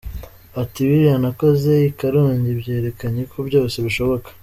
Ati “Biriya nakoze i Karongi byerekanye ko byose bishoboka.